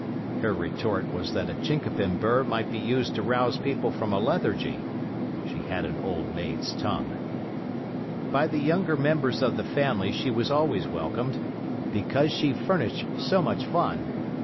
Her retort was that a chinkapin burr might be used to rouse people from a lethargy (she had an old maid's tongue). By the younger members of the family she was always welcomed, because she furnished so much fun.